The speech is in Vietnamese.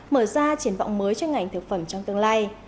mở ra triển vọng mới cho ngành thực phẩm trong tương lai